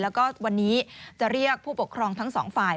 แล้วก็วันนี้จะเรียกผู้ปกครองทั้งสองฝ่าย